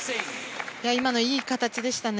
今のいい形でしたね。